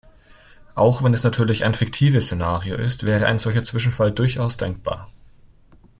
Auch wenn es natürlich ein fiktives Szenario ist, wäre ein solcher Zwischenfall durchaus denkbar.